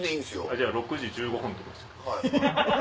じゃあ６時１５分とか。